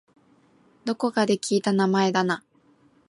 どこかで聞いた名前だな